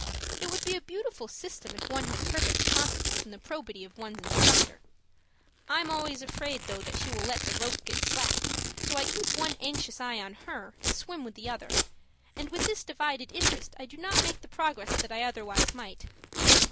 It would be a beautiful system if one had perfect confidence in the probity of one's instructor. I'm always afraid, though, that she will let the rope get slack, so I keep one anxious eye on her and swim with the other, and with this divided interest I do not make the progress that I otherwise might.